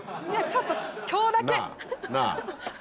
ちょっと今日だけ！なぁ？